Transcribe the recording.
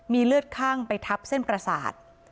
มีเลือดข้างไปทับเส้นประสาท